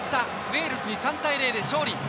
ウェールズに３対０で勝利。